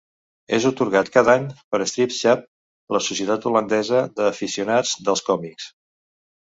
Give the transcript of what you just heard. És atorgat cada any per "Stripschap", la societat holandesa de aficionats dels còmics.